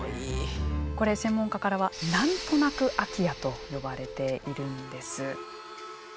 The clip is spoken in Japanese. これ専門家からは「なんとなく空き家」と呼ばれているんです。